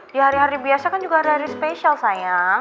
di hari hari biasa kan juga hari hari spesial saya